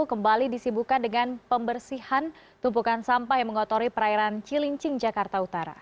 kembali disibukan dengan pembersihan tumpukan sampah yang mengotori perairan cilincing jakarta utara